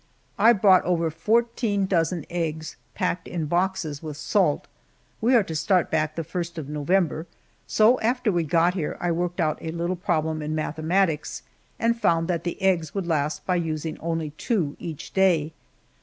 I brought over fourteen dozen eggs, packed in boxes with salt. We are to start back the first of November, so after we got here I worked out a little problem in mathematics, and found that the eggs would last by using only two each day.